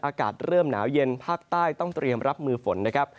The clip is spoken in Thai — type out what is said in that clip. อากาศเริ่มหนาวเย็นภาคใต้ต้องเตรียมรับมือฝนนะครับ